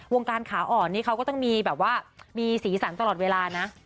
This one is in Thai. วงการขาอ่อนนี่เขาก็ต้องมีแบบว่ามีสีสันตลอดเวลานะ